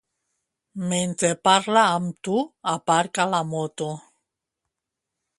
Mentre parla amb tu aparca la moto.